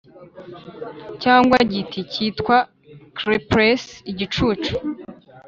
cyangwa igiti cyitwa cypress igicucu: